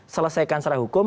selesaikan serai hukum